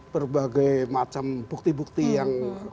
berbagai macam bukti bukti yang